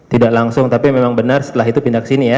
tidak langsung tapi memang benar setelah itu pindah ke sini ya